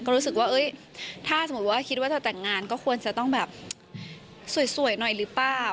ก็รู้สึกว่าถ้าสมมุติว่าคิดว่าเธอแต่งงานก็ควรจะต้องแบบสวยหน่อยหรือเปล่า